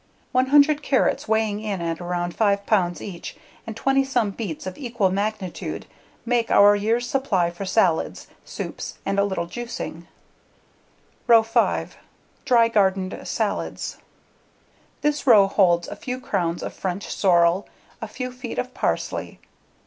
One hundred carrots weighing in at around 5 pounds each and 20 some beets of equal magnitude make our year's supply for salads, soups, and a little juicing. Row 5: Dry Gardened Salads This row holds a few crowns of French sorrel, a few feet of parsley.